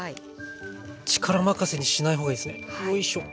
力任せにしない方がいいですねよいしょ。